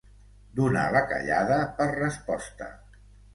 Donar la callada per resposta.